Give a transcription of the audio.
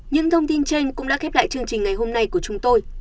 những thông tin trên cũng đã khép lại chương trình ngày hôm nay của chúng tôi